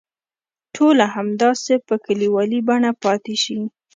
ټولنه همداسې په کلیوالي بڼه پاتې شي.